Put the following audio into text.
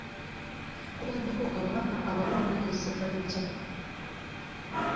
Kubaddeko Ababaka abalonde mu ssaza ly'e Kyaggwe